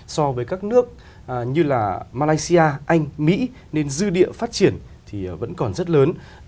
so với các nước như là malaysia anh mỹ nên dư địa phát triển thì vẫn còn rất lớn